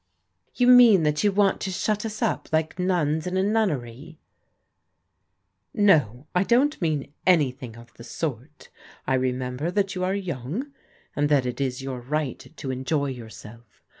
" You mean that you want to shut us up like nuns in a nunnery ?"" No,. I don't mean snyihing of the sort. I remember that you are young, and that it is your right to enjoy yourself.